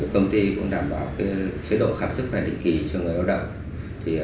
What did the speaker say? công ty cũng đảm bảo chế độ khám sức khỏe định kỳ cho người lao động